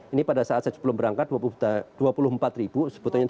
ini pada saat saya sebelum berangkat rp dua puluh empat sebetulnya